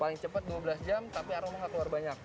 paling cepat dua belas jam tapi aroma nggak keluar banyak